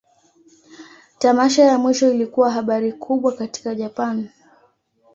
Tamasha ya mwisho ilikuwa habari kubwa katika Japan.